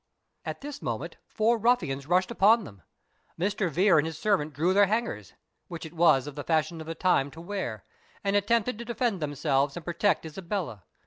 At this moment four ruffians rushed upon them. Mr. Vere and his servant drew their hangers, which it was the fashion of the time to wear, and attempted to defend themselves and protect Isabella.